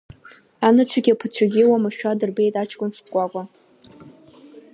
Анацәагьы аԥацәагьы уамашәа дырбеит аҷкәын шкәакәа.